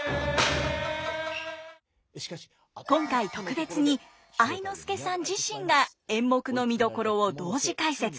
今回特別に愛之助さん自身が演目の見どころを同時解説。